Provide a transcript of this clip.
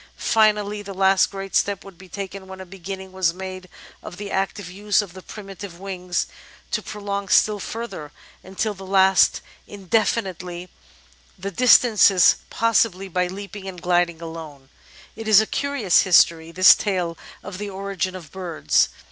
Finally, the last great step would be taken when a beginning was made of the active use of the primitive wings to prolong still further, until at last indefinitely, the distances possible by leaping and gliding alone. It is a curious history, this tale of the origin of birds.